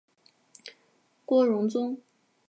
郭荣宗。